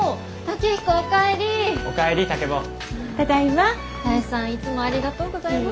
多江さんいつもありがとうございます。